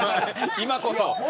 今こそ。